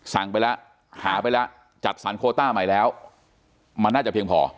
สั่งไปแล้วหาไปแล้วจัดสรรโคต้าใหม่แล้วมันน่าจะเพียงพอ